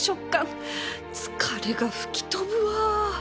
疲れが吹き飛ぶわ